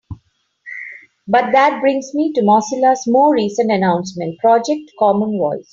But that brings me to Mozilla's more recent announcement: Project Common Voice.